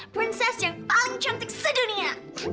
queense yang paling cantik sedunia